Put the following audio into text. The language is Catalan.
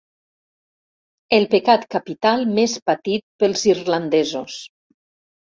El pecat capital més patit pels irlandesos.